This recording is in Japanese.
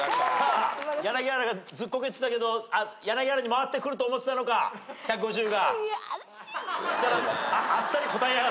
柳原がずっこけてたけど柳原に回ってくると思ってたのか１５０が。